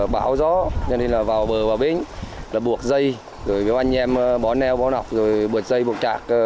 bảo gió nên là vào bờ vào bến là buộc dây rồi với anh em bó neo bó nọc rồi buộc dây buộc trạc